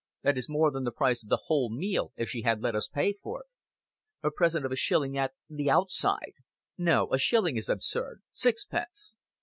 "That is more than the price of the whole meal if she had let us pay for it. A present of a shilling at the outside. No, a shilling is absurd. Sixpence."